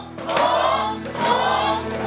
ถูกถูกถูก